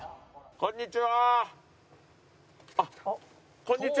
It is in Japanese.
こんにちは。